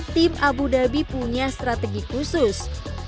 tim abu dhabi punya strategi khusus